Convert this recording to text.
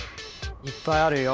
いっぱいあるよ。